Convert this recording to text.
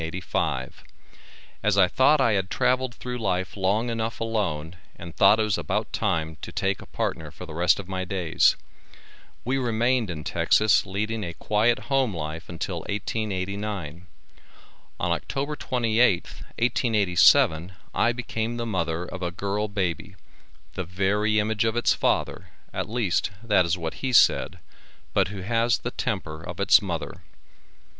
As I thought I had travelled through life long enough alone and thought it was about time to take a partner for the rest of my days. We remained in Texas leading a quiet home life until 1889. On October 28th, 1887, I became the mother of a girl baby, the very image of its father, at least that is what he said, but who has the temper of its mother.